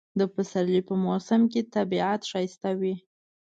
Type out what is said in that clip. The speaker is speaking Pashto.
د پسرلی په موسم کې طبیعت ښایسته وي